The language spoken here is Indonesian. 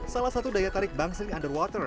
salah satu daya tarik bang sling underwater